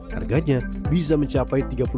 harganya bisa mencapai